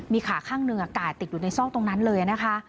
มีขาข้างหนึ่งกายติดอยู่ในซอกตรงนั้นเลยนะคะ